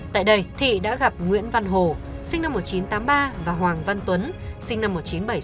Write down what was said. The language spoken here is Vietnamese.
tại đây thị đã gặp nguyễn văn hồ sinh năm một nghìn chín trăm tám mươi ba và hoàng văn tuấn sinh năm một nghìn chín trăm bảy mươi sáu